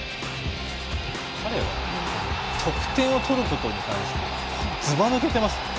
彼は得点を取ることに対しずばぬけてます。